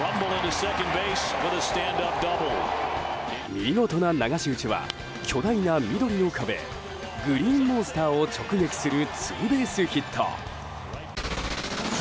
見事な流し打ちは巨大な緑の壁グリーンモンスターを直撃するツーベースヒット。